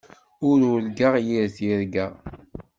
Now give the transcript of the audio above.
Ur urgaɣ yir tirga.